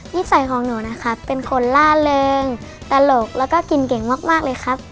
นิสัยของหนูนะครับเป็นคนล่าเริงตลกแล้วก็กินเก่งมากเลยครับ